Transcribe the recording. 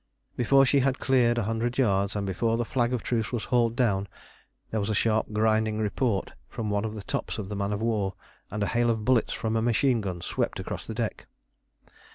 Before she had cleared a hundred yards, and before the flag of truce was hauled down, there was a sharp, grinding report from one of the tops of the man of war, and a hail of bullets from a machine gun swept across the deck.